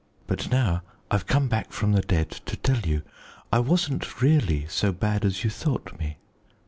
But now I've come back from the dead to tell you. I wasn't really so bad as you thought me.